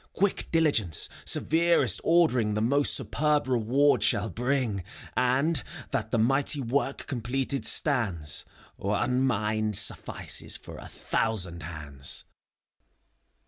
Quick diligence, severest ordering The most superb reward shall bring; And, that the mighty work completed stands, One mind suffices for a thousand hands.